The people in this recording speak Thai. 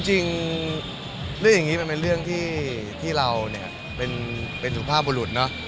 จริงเรื่องอย่างนี้มันเป็นเรื่องที่เราเนี่ยเป็นสุภาพบุรุษเนอะ